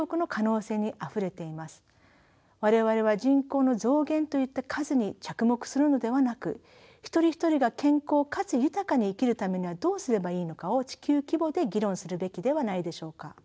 我々は人口の増減といった数に着目するのではなく一人一人が健康かつ豊かに生きるためにはどうすればいいのかを地球規模で議論するべきではないでしょうか。